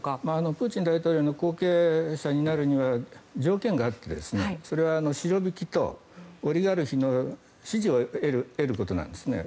プーチン大統領の後継者になるには条件があってそれはシロビキとオリガルヒの支持を得ることなんですね。